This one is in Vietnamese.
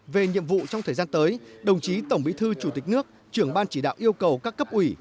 về nhiệm vụ trong thời gian tới đồng chí tổng bí thư chủ tịch nước trưởng ban chỉ đạo yêu cầu các cấp ủy